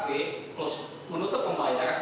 terus menutup pembayaran